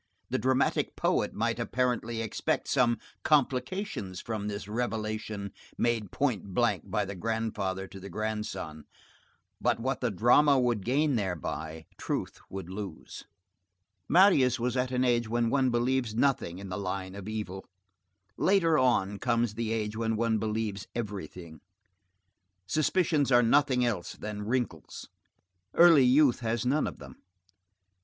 The dramatic poet might, apparently, expect some complications from this revelation made point blank by the grandfather to the grandson. But what the drama would gain thereby, truth would lose. Marius was at an age when one believes nothing in the line of evil; later on comes the age when one believes everything. Suspicions are nothing else than wrinkles. Early youth has none of them.